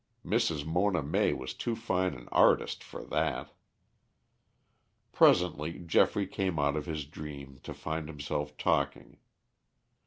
Mrs. Mona May was too fine an artist for that. Presently Geoffrey came out of his dream to find himself talking.